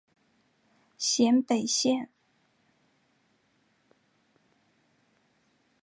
咸北线